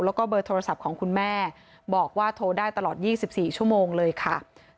แล้วก็เบอร์โทรศัพท์ของคุณแม่บอกว่าโทรได้ตลอด๒๔ชั่วโมงเลยค่ะ